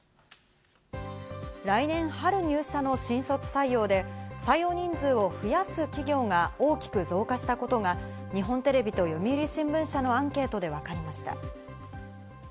来年春入社の新卒採用で、採用人数を増やす企業が大きく増加したことが日本テレビと読売新聞社のアンケートで分かりました。